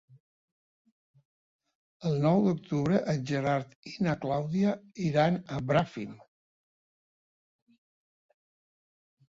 El nou d'octubre en Gerard i na Clàudia iran a Bràfim.